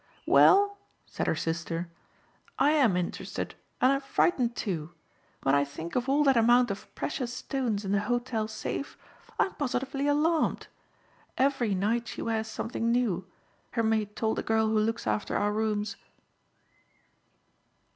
"Well," said her sister, "I am interested and I'm frightened, too. When I think of all that amount of precious stones in the hotel safe, I'm positively alarmed. Every night she wears something new, her maid told the girl who looks after our rooms."